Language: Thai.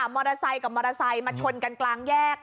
มอเตอร์ไซค์กับมอเตอร์ไซค์มาชนกันกลางแยก